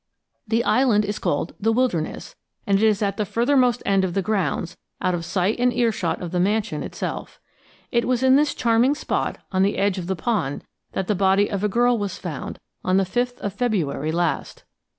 The island is called "The Wilderness," and is at the furthermost end of the grounds, out of sight and earshot of the mansion itself. It was in this charming spot, on the edge of the pond, that the body of a girl was found on the 5th of February last.